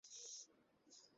খোদা হাফেজ আম্মি, খোদা হাফেজ।